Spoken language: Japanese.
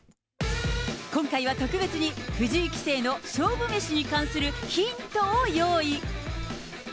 今回は特別に藤井棋聖の勝負メシに関するヒントを用意。